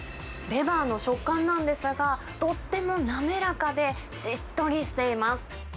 レバーの食感なんですが、とっても滑らかでしっとりしています。